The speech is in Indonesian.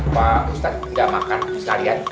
pak ustaz enggak makan sekalian